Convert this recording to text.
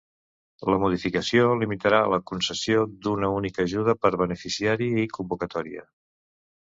La modificació limitarà la concessió d’una única ajuda per beneficiari i convocatòria.